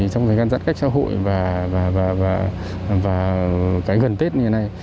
trong thời gian giãn cách xã hội và cái gần tết như này